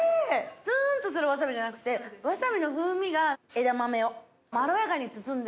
ツンとするわさびじゃなくてわさびの風味が枝豆をまろやかに包んでる。